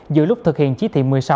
giữa lúc thực hiện chí thị một mươi sáu